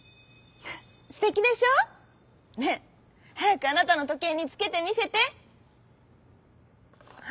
「すてきでしょ？ねえはやくあなたのとけいにつけてみせて」。